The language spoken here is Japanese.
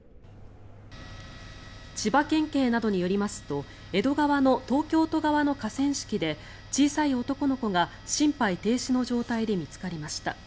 千葉県警などによりますと江戸川の東京都側の河川敷で小さい男の子が心肺停止の状態で見つかりました。